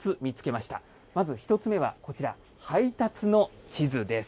まず１つ目はこちら、配達の地図です。